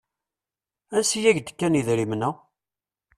Ansi i ak-d-kkan yedrimen-a?